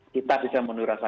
kita bisa menurut rasa